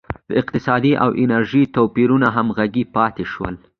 اقتصادي او نژادي توپیرونه همغږي پاتې شول.